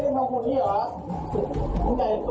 แม่มันแค่ข้างบนนี้เหรอ